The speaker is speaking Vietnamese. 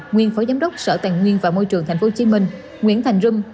nguyên phó giám đốc sở tàn nguyên và môi trường tp hcm nguyễn thành râm